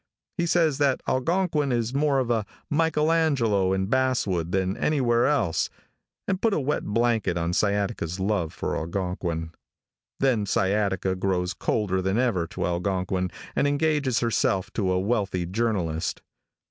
He says that Algonquin is more of a Michael Angelo in basswood than anywhere else, and puts a wet blanket on Sciataca's love for Algonquin. Then Sciataca grows colder than ever to Algonquin, and engages herself to a wealthy journalist.